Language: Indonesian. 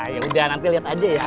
yaudah nanti liat aja ya